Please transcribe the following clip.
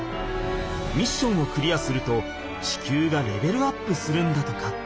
ミッションをクリアすると地球がレベルアップするんだとか。